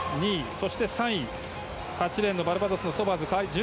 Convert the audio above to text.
そして３位は８レーンのバルバドスのソバーズ。